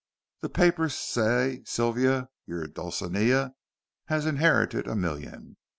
The papers say Sylvia, your Dulcinea, has inherited a million.